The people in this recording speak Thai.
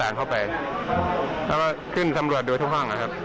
ตามเข้าไปแล้วก็ขึ้นสำรวจโดยทุกห้างครับ